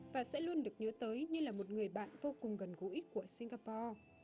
và sẽ luôn được nhớ tới như là một người bạn vô cùng gần gũi của singapore